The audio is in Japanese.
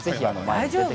大丈夫？